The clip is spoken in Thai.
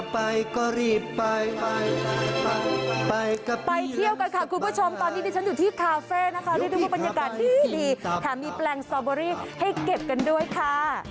ไปก็รีบไปไปเที่ยวกันค่ะคุณผู้ชมตอนนี้ดิฉันอยู่ที่คาเฟ่นะคะเรียกได้ว่าบรรยากาศดีแถมมีแปลงสตอเบอรี่ให้เก็บกันด้วยค่ะ